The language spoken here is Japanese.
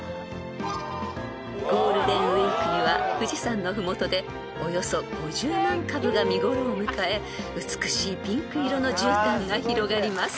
［ゴールデンウィークには富士山の麓でおよそ５０万株が見頃を迎え美しいピンク色のじゅうたんが広がります］